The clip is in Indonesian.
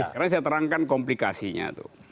sekarang saya terangkan komplikasinya